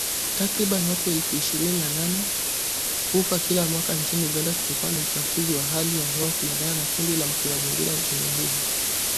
Takriban watu elfu ishirini na nane hufa kila mwaka nchini Uganda kutokana na uchafuzi wa hali ya hewa kulingana na kundi la kimazingira nchini humo